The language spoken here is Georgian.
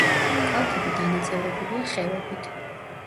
კალთები დანაწევრებულია ხევებით.